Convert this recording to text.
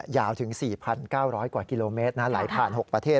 ยาวถึง๔๙๐๐กว่ากิโลเมตรไหลผ่าน๖ประเทศ